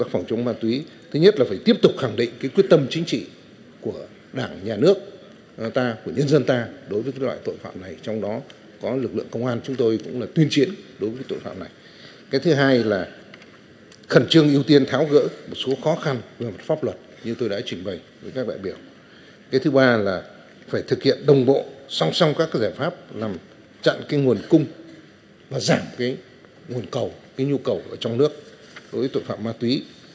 phải thực hiện đồng bộ song song các giải pháp làm chặn cái nguồn cung và giảm cái nguồn cầu cái nhu cầu ở trong nước đối với tội phạm ma túy